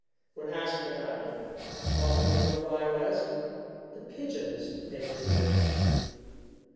When asked about it, all he would reply was: "The pigeons made me lame."